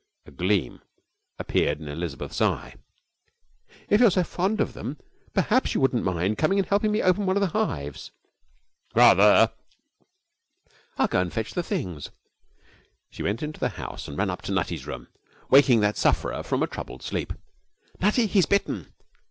A gleam appeared in Elizabeth's eye. 'If you are so fond of them, perhaps you wouldn't mind coming and helping me open one of the hives?' 'Rather!' 'I'll go and fetch the things.' She went into the house and ran up to Nutty's room, waking that sufferer from a troubled sleep. 'Nutty, he's bitten.'